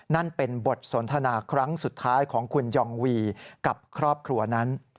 นั่นเป็นบทสนทนาครั้งสุดท้ายของคุณยองวีกับครอบครัวนั้น